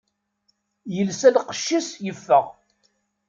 Yelsa lqecc-is, yeffeɣ.